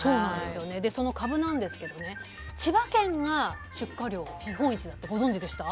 でそのかぶなんですけどね千葉県が出荷量日本一だってご存じでした？